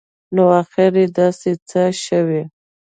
نو اخیر داسي څه شوي